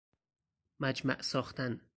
مجمع ساختن